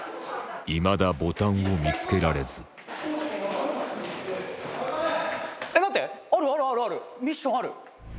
いまだボタンを見つけられず待ってあるあるあるあるミッションある。